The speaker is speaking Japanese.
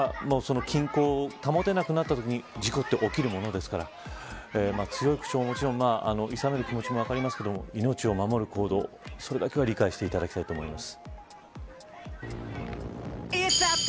均衡を保てなくなったときに事故って起きるものですから強い口調をいさめる気持ちも分かりますが命を守る行動、それだけは理解していただきたいと思います。